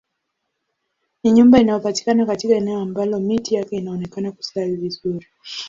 Ni nyumba inayopatikana katika eneo ambalo miti yake inaonekana kustawi vizuri